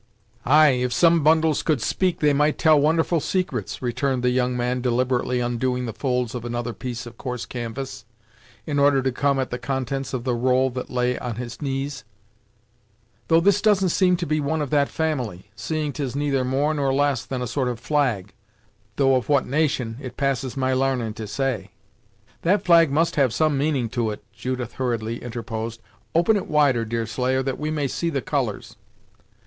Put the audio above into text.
"Ay, if some bundles could speak, they might tell wonderful secrets," returned the young man deliberately undoing the folds of another piece of course canvass, in order to come at the contents of the roll that lay on his knees: "though this doesn't seem to be one of that family, seeing 'tis neither more nor less than a sort of flag, though of what nation, it passes my l'arnin' to say." "That flag must have some meaning to it " Judith hurriedly interposed. "Open it wider, Deerslayer, that we may see the colours."